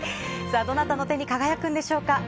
さあ、どなたの手に輝くんでしょうか。